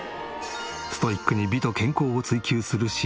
ストイックに美と健康を追求する志保様。